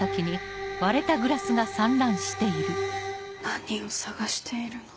何を探しているの？